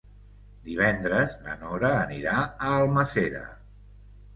Divendres na Nora anirà a Almàssera.